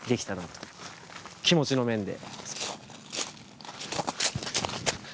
気持ちの面で。